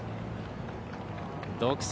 独走。